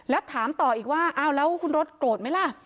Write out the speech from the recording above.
แล้วถามต่ออีกว่าอ้าวแล้วคุณรถโกรธไหมล่ะ